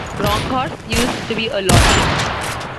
Bronkhorst used to be a lordship.